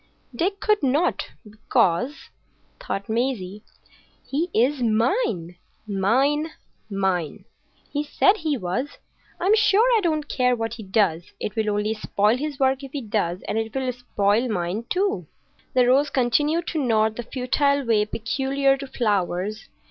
Dick could not, "because," thought Maisie, "he is mine,—mine,—mine. He said he was. I'm sure I don't care what he does. It will only spoil his work if he does; and it will spoil mine too." The rose continued to nod in the futile way peculiar to flowers.